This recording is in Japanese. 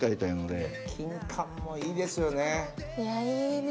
いやいいですよね。